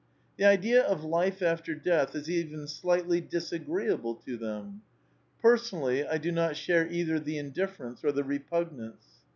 The idea of life after death is even slightly disagreeable to them. Personally I do not share either the indifference or the repugnance.